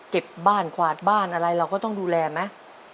เก็บบ้านกวาดบ้านอะไรเราก็ต้องดูแลไหม